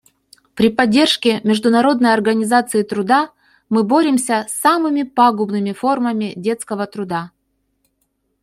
При поддержке Международной организации труда мы боремся с самыми пагубными формами детского труда.